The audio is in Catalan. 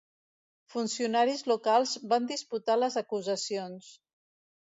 Funcionaris locals van disputar les acusacions.